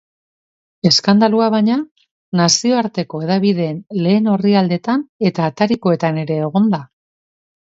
Eskandalua, baina, nazioarteko hedabideen lehen orrialdeetan eta atarikoetan ere egon da.